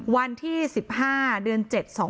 วันที่๑๕เดือน๗๒๕๖